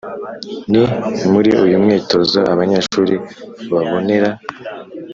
Ni muri uyu mwitozo abanyeshuri babonera